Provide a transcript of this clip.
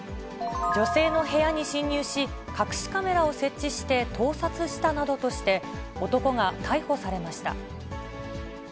女性の部屋に侵入し、隠しカメラを設置して、盗撮したなどとして、男が逮捕されました。